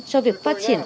cho việc phát triển